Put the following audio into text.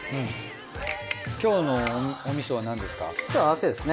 今日のおみそは何ですか？